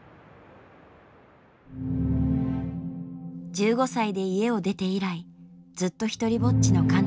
１５歳で家を出て以来ずっとひとりぼっちの貫多。